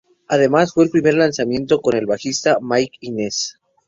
Además fue el primer lanzamiento con el bajista Mike Inez.